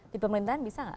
di pemerintahan bisa nggak